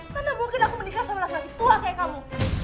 karena mungkin aku menikah sama laki laki tua kayak kamu